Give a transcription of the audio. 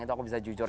itu aku bisa jujur